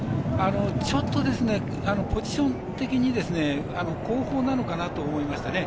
ちょっとポジション的に後方なのかなと思いましたね。